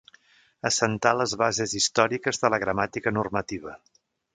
Assentà les bases històriques de la gramàtica normativa.